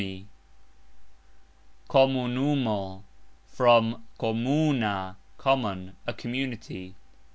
komunumo (" "komuna", common), a community.